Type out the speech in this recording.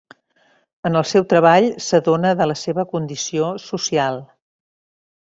En el seu treball, s'adona de la seva condició social.